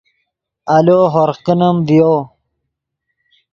آلو ہورغ کینیم ڤیو